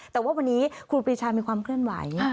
แต่ว่าวันนี้ครูปรีชามีความเคลื่อนไหว